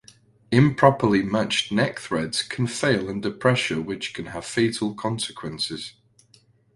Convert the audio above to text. Improperly matched neck threads can fail under pressure which can have fatal consequences.